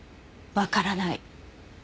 わからない。